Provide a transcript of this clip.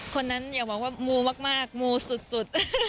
คนนั้นอย่าบอกว่ามูมากมูสุด